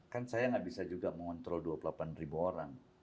kan saya nggak bisa juga mengontrol dua puluh delapan ribu orang